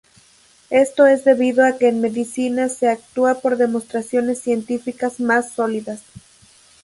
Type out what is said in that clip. Esto es debido a que en medicina se actúa por demostraciones científicas más sólidas.